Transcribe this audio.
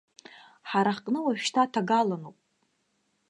Ҳара ҳҟны уажәшьҭа ҭагалануп.